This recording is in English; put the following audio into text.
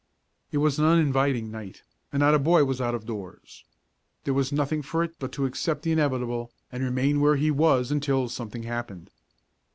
It was an uninviting night, and not a boy was out of doors. There was nothing for it but to accept the inevitable, and remain where he was until something happened.